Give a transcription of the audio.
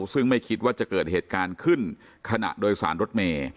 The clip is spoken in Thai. ซึ่งไม่คิดว่าจะเกิดเหตุการณ์ขึ้นขณะโดยสารรถเมย์